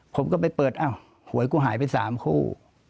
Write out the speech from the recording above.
ผมก็ไปเปิดอ้าวหวยกูหายไป๓คู่